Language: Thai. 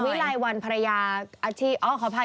นางวิไลวันภรรยาอาชีพอ้อขออภัย